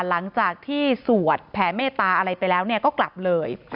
หลังจากที่สวดแผ่เมตตาอะไรไปแล้วก็กลับเลย